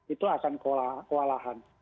itu akan kewalahan